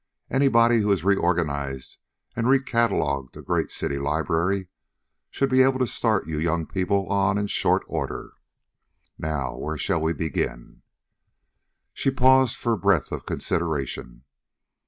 Anybody who has reorganized and recatalogued a great city library should be able to start you young people on in short order. Now, where shall we begin?" She paused for breath of consideration.